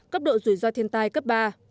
cấp độ rủi ro thiên tai cấp ba